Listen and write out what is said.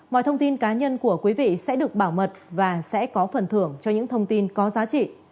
mọi thông tin cá nhân của quý vị sẽ được bảo mật và sẽ có phần thưởng cho những thông tin có giá trị